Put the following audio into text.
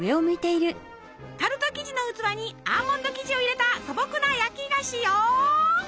タルト生地の器にアーモンド生地を入れた素朴な焼き菓子よ！